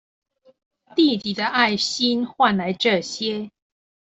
弟弟的愛心換來這些